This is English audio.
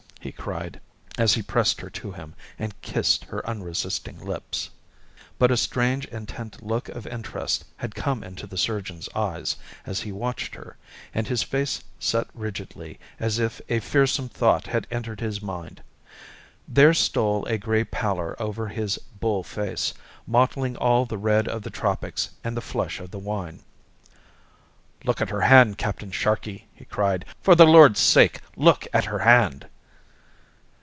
he cried, as he pressed her to him and kissed her unresisting lips. But a strange intent look of interest had come into the surgeon's eyes as he watched her, and his face set rigidly, as if a fearsome thought had entered his mind. There stole a grey pallor over his bull face, mottling all the red of the tropics and the flush of the wine. "Look at her hand, Captain Sharkey!" he cried. "For the Lord's sake, look at her hand!"